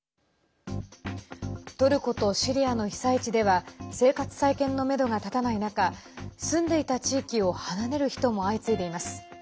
トルコとシリアの被災地では生活再建のめどが立たない中住んでいた地域を離れる人も相次いでいます。